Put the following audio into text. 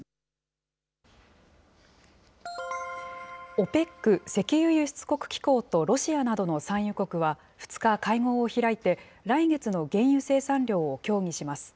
ＯＰＥＣ・石油輸出国機構とロシアなどの産油国は２日、会合を開いて、来月の原油生産量を協議します。